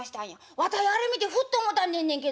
わたいあれ見てふっと思ったんでんねんけどね